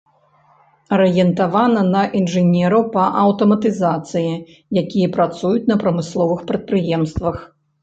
Арыентавана на інжынераў па аўтаматызацыі, якія працуюць на прамысловых прадпрыемствах.